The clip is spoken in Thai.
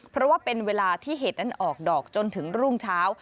เพราะว่าเป็นเวลาที่เห็ดนั้นออกดอกจนถึงรุ่งเช้า